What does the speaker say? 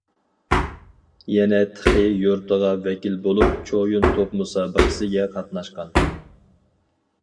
يەنە تېخى يۇرتىغا ۋەكىل بولۇپ چويۇن توپ مۇسابىقىسىگە قاتناشقان.